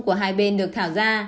của hai bên được thảo ra